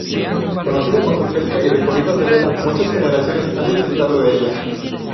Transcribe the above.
Conocida por su pesca y recorridos de vela muchas generaciones han disfrutado de ella.